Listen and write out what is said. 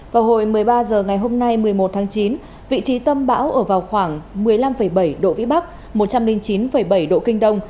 vào hồi một mươi ba h ngày hôm nay một mươi một tháng chín vị trí tâm bão ở vào khoảng một mươi năm bảy độ vĩ bắc một trăm linh chín bảy độ kinh đông